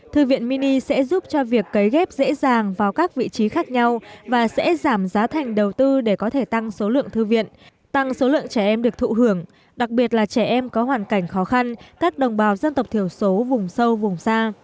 thư viện mini sẽ giúp cho việc cấy ghép dễ dàng vào các vị trí khác nhau và sẽ giảm giá thành đầu tư để có thể tăng số lượng thư viện tăng số lượng trẻ em được thụ hưởng đặc biệt là trẻ em có hoàn cảnh khó khăn các đồng bào dân tộc thiểu số vùng sâu vùng xa